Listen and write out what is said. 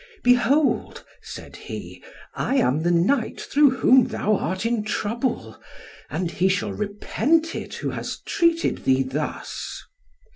"Behold," said he, "I am the knight through whom thou art in trouble, and he shall repent it, who has treated thee thus."